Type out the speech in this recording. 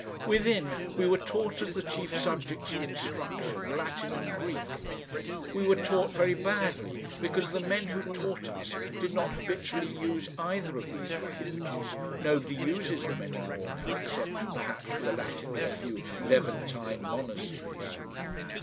Within, we were taught as the chief subjects of instruction, Latin and Greek. We were taught very badly because the men who taught us did not habitually use either of these languages, nobody uses them any more now except perhaps for the Latin of a few Levantine monasteries.